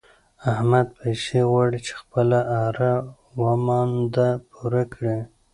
احمد پيسې غواړي چې خپله اړه و مانده پوره کړي.